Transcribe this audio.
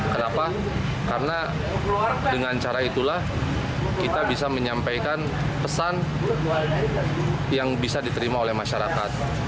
kenapa karena dengan cara itulah kita bisa menyampaikan pesan yang bisa diterima oleh masyarakat